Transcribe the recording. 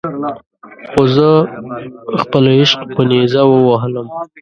خو زه خپل عشق په نیزه ووهلم.